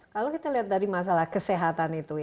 kalau kita lihat dari masalah kesehatan itu